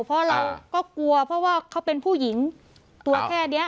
เพราะเราก็กลัวเพราะว่าเขาเป็นผู้หญิงตัวแค่นี้